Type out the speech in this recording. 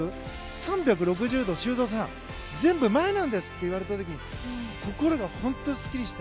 ３６０度、修造さん全部前なんですって言われた時に心が本当にすっきりした。